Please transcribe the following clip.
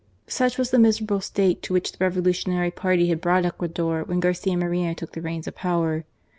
Such was the miserable state to which the revo lutionary party had brought Ecuador when Garcia Moreno took the reins of power.